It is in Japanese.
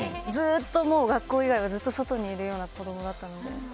ずっと学校以外は外にいるような子供だったので。